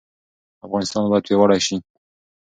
افغانستان باید پیاوړی شي.